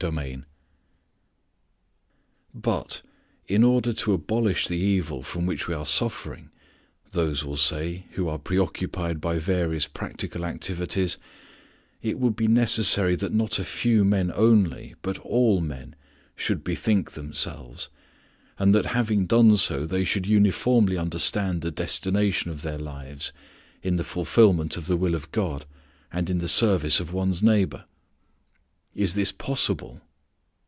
VIII "But, in order to abolish the evil from which we are suffering," those will say who are preoccupied by various practical activities, "it would be necessary that not a few men only, but all men, should bethink themselves, and that, having done so, they should uniformly understand the destination of their lives, in the fulfilment of the will of God and in the service of one's neighbor. "Is this possible?"